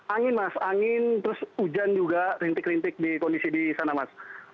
angin mas angin terus hujan juga rintik rintik di kondisi di sana mas